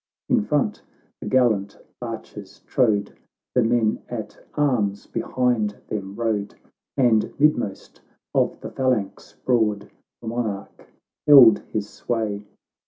In front the gallant archers trode, The men at arms behind them rode, And midmost of the phalanx hroad The Monarch held his sway.